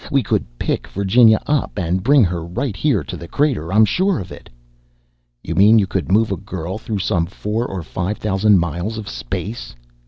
We could pick Virginia up and bring her right here to the crater! I'm sure of it!" "You mean you could move a girl through some four or five thousand miles of space!"